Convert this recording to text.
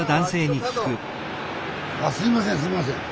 あすいませんすいません。